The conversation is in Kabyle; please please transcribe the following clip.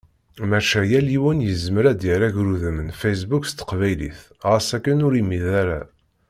Maca, yal yiwen yezmer ad d-yerr agrudem n Facebook s teqbaylit ɣas akken ur imid ara.